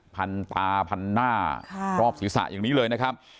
พันตาพันหน้ารอบศีรษะอย่างนี้เลยนะครับ